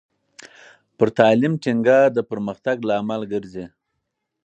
پر تعلیم ټینګار د پرمختګ لامل ګرځي.